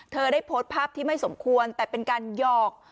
ได้โพสต์ภาพที่ไม่สมควรแต่เป็นการหยอก